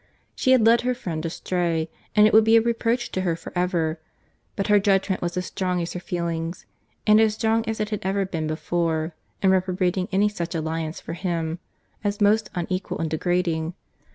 She had led her friend astray, and it would be a reproach to her for ever; but her judgment was as strong as her feelings, and as strong as it had ever been before, in reprobating any such alliance for him, as most unequal and degrading.